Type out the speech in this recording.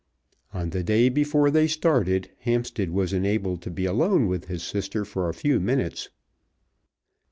On the day before they started Hampstead was enabled to be alone with his sister for a few minutes.